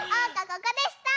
ここでした！